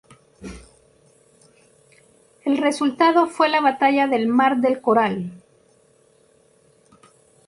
El resultado fue la Batalla del Mar del Coral.